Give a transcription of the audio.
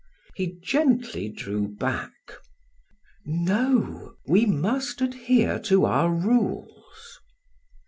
He gently drew back. "No, we must adhere to our rules."